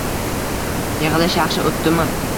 — Yig‘ilish yaxshi o‘tdimi?